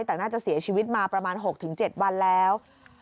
แต่น่าจะเสียชีวิตมาประมาณ๖๗วันแล้ว